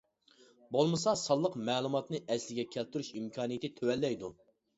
بولمىسا سانلىق مەلۇماتنى ئەسلىگە كەلتۈرۈش ئىمكانىيىتى تۆۋەنلەيدۇ.